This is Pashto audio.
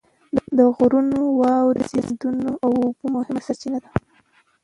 د غرونو واورې د سیندونو د اوبو مهمه سرچینه ده.